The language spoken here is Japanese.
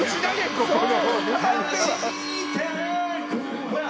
ここの。